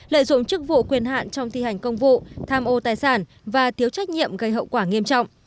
lợi dụng chức vụ quyền hạn trong thi hành công vụ tham ô tài sản và thiếu trách nhiệm gây hậu quả nghiêm trọng